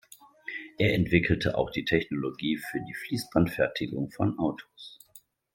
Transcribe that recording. Er entwickelte auch die Technologie für die Fließbandfertigung von Autos.